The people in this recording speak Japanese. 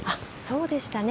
そうでしたね。